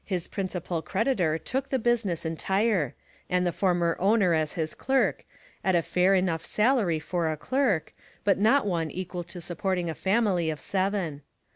His principal creditor took the business entire, and the former owner as his clerk, at a fair enough salary for a clerk, but not one equal to supporting a family of seven.